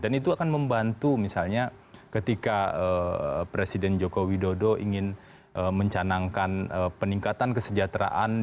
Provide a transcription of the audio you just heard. dan itu akan membantu misalnya ketika presiden joko widodo ingin mencanangkan peningkatan kesejahteraan